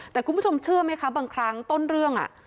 แต่คุณผู้ชมเชื่อไหมคะบางครั้งต้นเรื่อง